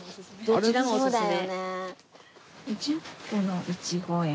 どちらもおすすめ。